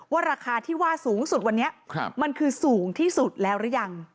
ราคาที่ว่าสูงสุดวันนี้มันคือสูงที่สุดแล้วหรือยัง